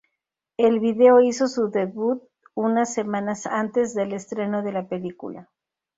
El video hizo su debut unas semanas antes del estreno de la película.